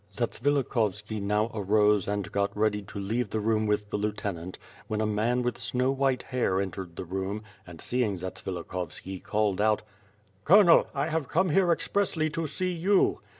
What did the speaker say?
Zatsvilikovski now arose and got ready to leave the room with the lieutenant, when a man with snow white hair en tered the room and seeing Zatsvilikhovski called out: "Colonel, I have come here expressly to see you."